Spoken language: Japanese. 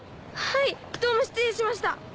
はいどうも失礼しました。